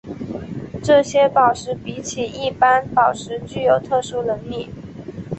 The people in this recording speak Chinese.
这些宝石比起一般宝石具有特殊能力。